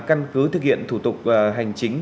căn cứ thực hiện thủ tục hành chính